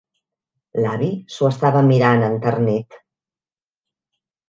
L'avi s'ho estava mirant enternit